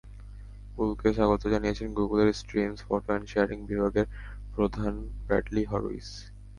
পুলকে স্বাগত জানিয়েছেন গুগলের স্ট্রিমস, ফটো অ্যান্ড শেয়ারিং বিভাগের প্রধান ব্র্যাডলি হরোইজ।